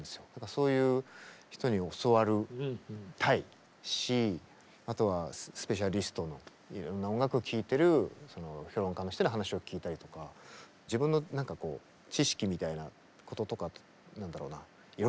そういう人に教わりたいしあとはスペシャリストのいろんな音楽を聴いてる評論家の人に話を聞いたりとか自分の知識みたいなこととかみたい